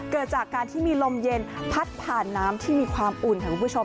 เกิดจากการที่มีลมเย็นพัดผ่านน้ำที่มีความอุ่นค่ะคุณผู้ชม